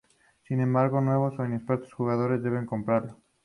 Sin embargo, nuevos o inexpertos jugadores deben comprarlo.